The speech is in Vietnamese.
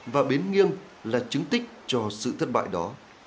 và bến nghiêng là chứng tích cho sự thất bại đó